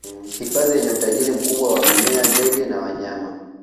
hifadhi yenye utajiri mkubwa wa mimea ndege na wanyama